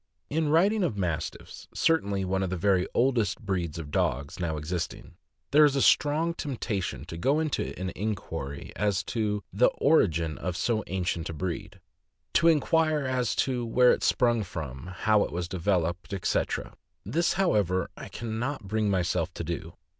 writing of Mastiffs, certainly one of the very oldest breeds of dogs now existing, there is a strong tempta tion to go into an inquiry as to the origin of so ancient a breed; to inquire as to where it sprung from, how it was developed, etc. This, however, I can not bring myself to do.